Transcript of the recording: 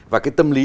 và cái tâm lý